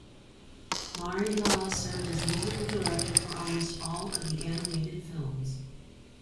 Maury Laws served as musical director for almost all of the animated films.